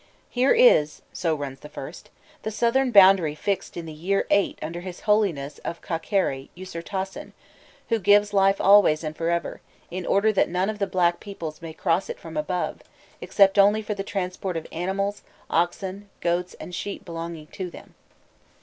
"Here is," so runs the first, "the southern boundary fixed in the year VIII. under his Holiness of Khâkerî, Usirtasen, who gives life always and for ever, in order that none of the black peoples may cross it from above, except only for the transport of animals, oxen, goats, and sheep belonging to them."